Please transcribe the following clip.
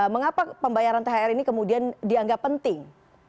mengapa pembayaran thr ini kemudian dianggap penting